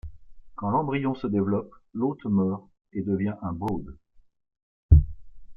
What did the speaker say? Quand l'embryon se développe, l'hôte meurt et devient un Brood.